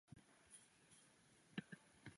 原高雄驿同时改称高雄港以为区别。